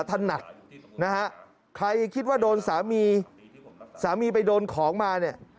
ถนัดนะฮะใครคิดว่าโดนสามีสามีไปโดนของมาเนี่ย